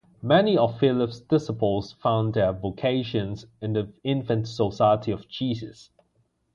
Many of Philip's disciples found their vocations in the infant Society of Jesus.